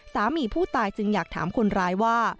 สามีผู้ตายจึงอยากถามคนร้ายว่า